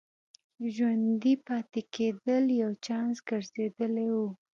ژوندي پاتې کېدل یو چانس ګرځېدلی و.